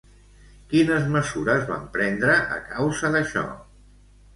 Quines mesures van prendre a causa d'això?